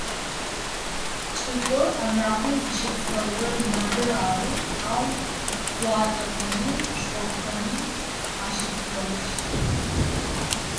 Чӏыкъор анахьэу зыщыпсэурэр мэзыр ары, ау хъуатэхэми, шъофхэми ащыплъэгъущт.